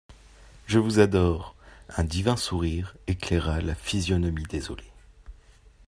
«Je vous adore.» Un divin sourire éclaira la physionomie désolée.